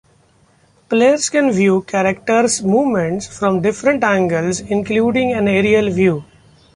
Players can view characters' movement from different angles, including an aerial view.